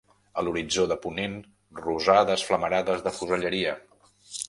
A l'horitzó de ponent, rosades flamarades de fuselleria